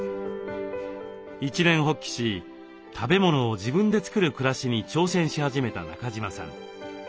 一念発起し食べ物を自分で作る暮らしに挑戦し始めた中島さん。